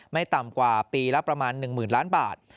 ไม่ต่ำกว่าปีละประมาณ๑๐๐๐ล้านบาท